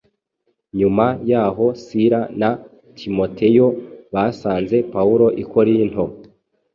Nyuma y’aho, Sila na Timoteyo basanze Pawulo i Korinto.